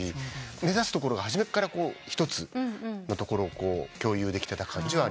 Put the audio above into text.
目指すところが初めから一つのところを共有できてた感じはありますね。